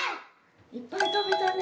いっぱいたべたね